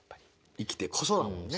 生きてこそだもんね。